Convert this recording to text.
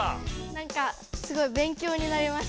なんかすごい勉強になりました？